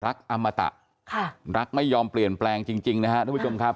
อมตะค่ะรักไม่ยอมเปลี่ยนแปลงจริงนะครับทุกผู้ชมครับ